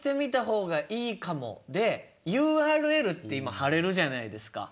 でＵＲＬって今貼れるじゃないですか。